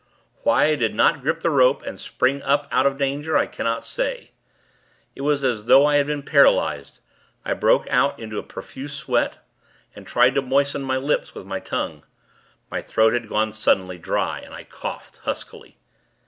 Why I did not grip the rope, and spring up out of danger, I cannot say. It was as though I had been paralyzed. I broke out into a profuse sweat, and tried to moisten my lips with my tongue. My throat had gone suddenly dry, and I coughed, huskily.